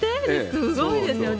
すごいですよね。